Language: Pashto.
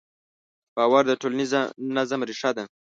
باور د ټولنیز نظم ریښه ده.